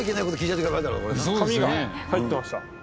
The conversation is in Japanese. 紙が入ってました。